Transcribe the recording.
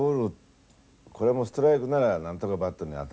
これもストライクならなんとかバットに当たるんですけどね。